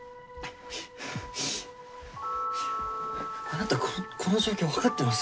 あなたこの状況分かってます？